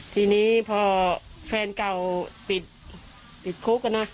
ทีนี้พอแฟนเก่าติดคุกนะ